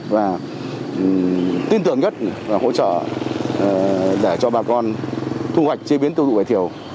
và tin tưởng nhất và hỗ trợ để cho bà con thu hoạch chế biến tiêu dụng vải thiều